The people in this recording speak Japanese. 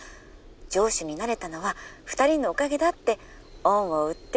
城主になれたのは２人のおかげだって恩を売っておくの」。